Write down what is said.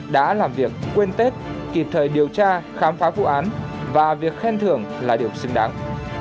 đã làm việc quên tết kịp thời điều tra khám phá vụ án và việc khen thưởng là điều xứng đáng